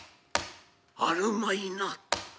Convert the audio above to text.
あるまいな。